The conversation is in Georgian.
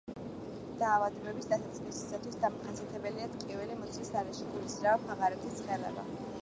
დაავადების დასაწყისისათვის დამახასიათებელია ტკივილი მუცლის არეში, გულისრევა, ფაღარათი, ცხელება.